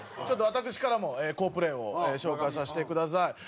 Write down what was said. ちょっと私からも好プレーを紹介させてください。